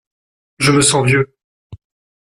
Je me sens vieux.